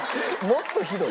もっとひどい？